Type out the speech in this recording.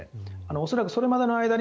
恐らく、それまでの間に